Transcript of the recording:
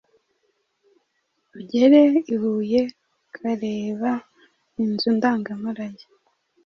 Ugere i Huye ukareba inzu ndangamurage